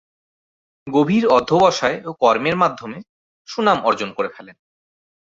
গভীর অধ্যবসায় ও কর্মের মাধ্যমে সুনাম অর্জন করে ফেলেন।